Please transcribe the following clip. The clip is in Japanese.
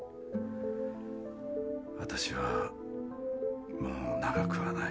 わたしはもう長くはない。